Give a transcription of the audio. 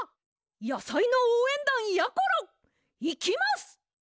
やさいのおうえんだんやころいきます！